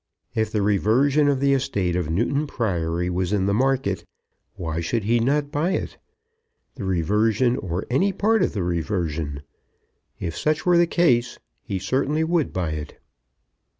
If the reversion of the estate of Newton Priory was in the market, why should he not buy it? the reversion or any part of the reversion? If such were the case he certainly would buy it.